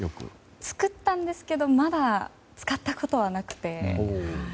作ったんですけどまだ使ったことはなくて。